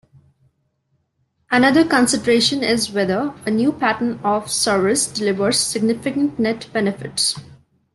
Another consideration is whether a new pattern of service delivers significant net benefits.